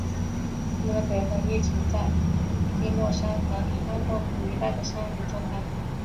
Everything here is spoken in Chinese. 他们的鬼魂一直在丁默山和哈洛谷一带的山谷中徘徊。